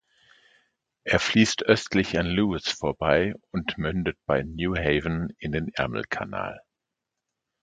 Er fließt östlich an Lewes vorbei und mündet bei Newhaven in den Ärmelkanal.